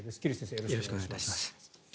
よろしくお願いします。